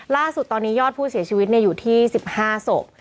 ล่าสุดตอนนี้ยอดผู้เสียชีวิตอยู่ที่๑๕ศพ